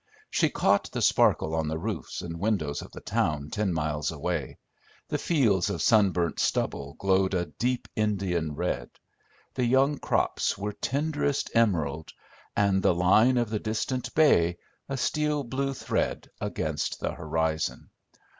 She caught the sparkle on the roofs and windows of the town ten miles away; the fields of sunburnt stubble glowed a deep Indian red; the young crops were tenderest emerald; and the line of the distant bay, a steel blue thread against the horizon.